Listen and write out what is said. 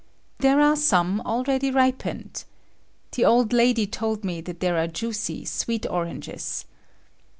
There are some already ripened. The old lady told me that they are juicy, sweet oranges.